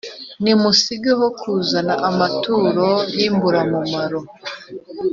Nimusigeho kuzana amaturo y’imburamumaro,